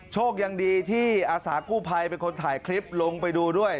โชคดีที่อาสากู้ภัยเป็นคนถ่ายคลิปลงไปดูด้วย